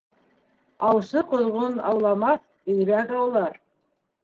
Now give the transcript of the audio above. Аусы ҡоҙғон ауламаҫ, өйрәк аулар.